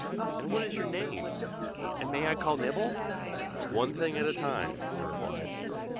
and what is your name? and may I call Nibble?" "One thing at a time!" I replied.